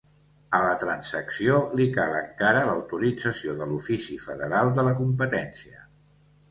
A la transacció li cal encara l'autorització de l'Ofici Federal de la Competència.